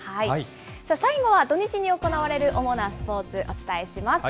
最後は土日に行われる主なスポーツ、お伝えします。